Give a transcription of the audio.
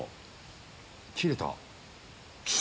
切れた！